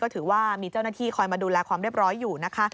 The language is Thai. ถือว่ามีเจ้าหน้าที่คอยมาดูแลความเรียบร้อยอยู่นะคะ